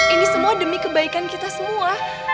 ini semua demi kebaikan kita semua